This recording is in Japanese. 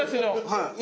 はい。